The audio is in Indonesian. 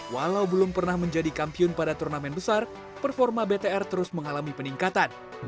walau belum pernah menjadi kampiun pada turnamen besar performa btr terus mengalami peningkatan